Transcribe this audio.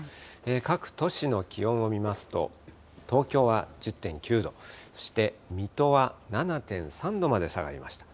各都市の気温を見ますと、東京は１０．９度、そして水戸は７．３度まで下がりました。